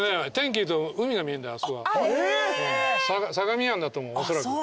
相模湾だと思うおそらく。